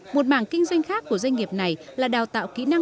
một mảng kinh doanh khác của doanh nghiệp này là đào tạo kỹ năng sử dụng